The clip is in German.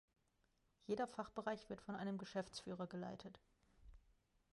Jeder Fachbereich wird von einem Geschäftsführer geleitet.